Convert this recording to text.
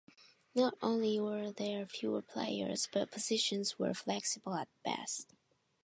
Not only were there fewer players, but positions were flexible at best.